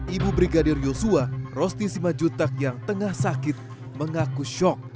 ibu brigadir yosua rosti simajutak yang tengah sakit mengaku shock